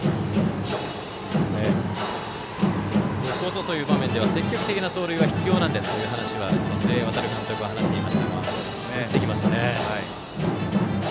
ここぞという場面では積極的な走塁は必要なんですという話は須江航監督が話していましたが打ってきましたね。